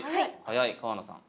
早い川名さん。